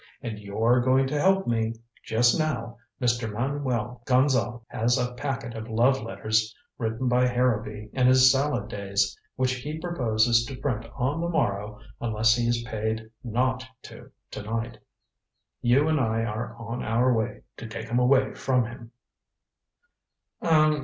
And you're going to help me. Just now, Mr. Manuel Gonzale has a packet of love letters written by Harrowby in his salad days, which he proposes to print on the morrow unless he is paid not to to night. You and I are on our way to take 'em away from him."